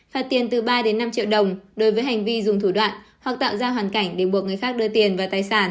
phạt tiền từ ba đến năm triệu đồng đối với hành vi dùng thủ đoạn hoặc tạo ra hoàn cảnh để buộc người khác đưa tiền và tài sản